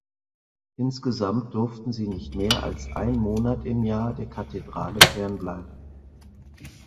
Insgesamt durften sie nicht mehr als einen Monat im Jahr der Kathedrale fernbleiben.